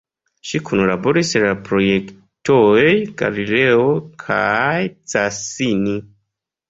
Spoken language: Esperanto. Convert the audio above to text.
Ŝi kunlaboris al la projektoj Galileo kaj Cassini.